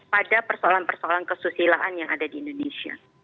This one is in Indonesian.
pada persoalan persoalan kesusilaan yang ada di indonesia